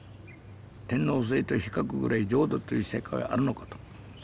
天皇制と比較ぐらい浄土という世界はあるのかと。